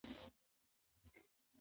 خپله ژبه هېڅکله په نورو ژبو مه پلورئ.